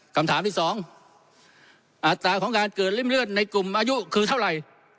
คำถามที่สองอัตราของการเกิดริ่มเลือดในกลุ่มอายุคือเท่าไหร่